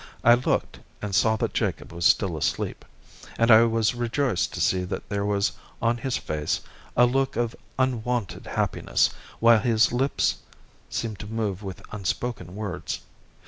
I looked and saw that Jacob was still asleep, and I was rejoiced to see that there was on his face a look of unwonted happiness, while his lips seemed to move with unspoken words.